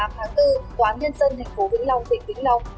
ngày một mươi tám tháng bốn quán nhân dân tp vĩnh long tỉnh vĩnh long